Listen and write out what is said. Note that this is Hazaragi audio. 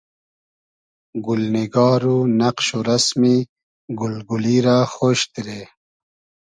گولنیگار و نئقش و رئسمی گول گولی رۂ خۉش دیرې